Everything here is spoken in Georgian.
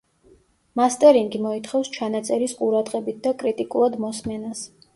მასტერინგი მოითხოვს ჩანაწერის ყურადღებით და კრიტიკულად მოსმენას.